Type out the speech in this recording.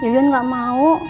yuyun gak mau